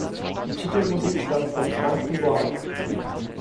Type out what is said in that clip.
Die Titelmusik stammt von Frank Duval.